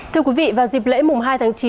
thưa quý vị vào dịp lễ mùng hai tháng chín